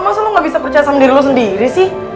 emang lo gak bisa percaya sama diri lo sendiri sih